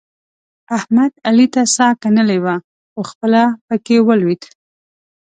احمد؛ علي ته څا کنلې وه؛ خو خپله په کې ولوېد.